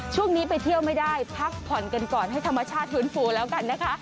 ช่วงนี้ไปเที่ยวไม่ได้พักผ่อนกันก่อนให้ธรรมชาติฟื้นฟูแล้วกันนะคะ